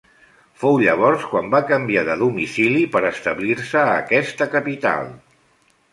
Fou llavors quan va canviar de domicili per establir-se a aquesta capital.